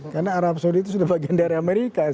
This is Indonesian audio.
karena arab saudi itu sudah bagian dari amerika